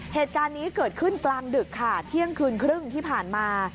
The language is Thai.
เหตุการณ์นี้เกิดขึ้นกลางดึกค่ะเที่ยงคืนครึ่งที่ผ่านมา